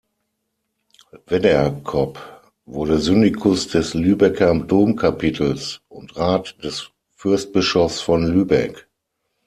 Wedderkop wurde Syndikus des Lübecker Domkapitels und Rat des Fürstbischofs von Lübeck.